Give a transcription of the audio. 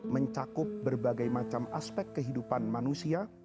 mencakup berbagai macam aspek kehidupan manusia